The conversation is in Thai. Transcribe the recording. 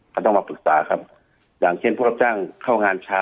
ก็ต้องมาปรึกษาครับอย่างเช่นพวกรับจ้างเข้างานช้า